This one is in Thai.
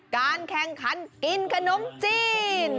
การแข่งขันกินขนมจีน